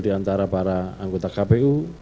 di antara para anggota kpu